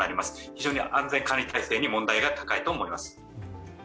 非常に安全管理体制に問題が高いと思います。